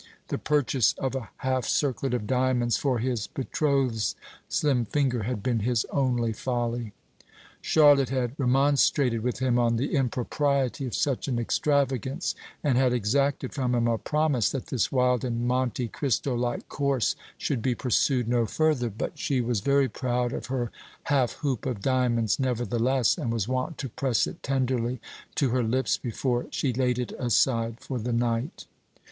The purchase of a half circlet of diamonds for his betrothed's slim finger had been his only folly. Charlotte had remonstrated with him on the impropriety of such an extravagance, and had exacted from him a promise that this wild and Monte Christo like course should be pursued no further; but she was very proud of her half hoop of diamonds nevertheless, and was wont to press it tenderly to her lips before she laid it aside for the night.